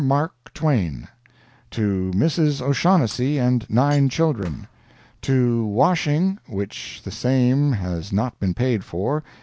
MARK TWAIN. To Mrs. O'Shaughnessy and 9 children. To washing, which the same has not been paid for—$18.